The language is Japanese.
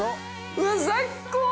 うわっ最高！